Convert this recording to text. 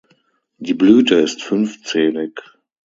Die Blüte ist fünfzählig.